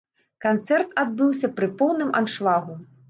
Канцэрт адбыўся пры поўным аншлагу.